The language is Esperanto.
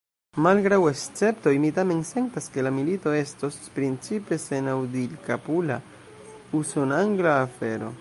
Malgraŭ esceptoj, mi tamen sentas, ke la milito estos principe senaŭdilkapula, usonangla afero.